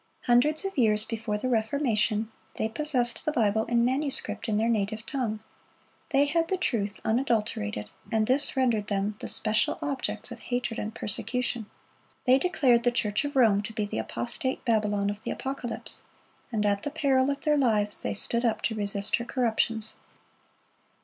(100) Hundreds of years before the Reformation, they possessed the Bible in manuscript in their native tongue. They had the truth unadulterated, and this rendered them the special objects of hatred and persecution. They declared the Church of Rome to be the apostate Babylon of the Apocalypse, and at the peril of their lives they stood up to resist her corruptions.